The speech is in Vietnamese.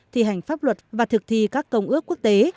thi hành pháp luật và thực thi các công ước quốc tế